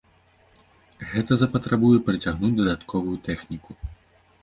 Гэта запатрабуе прыцягнуць дадатковую тэхніку.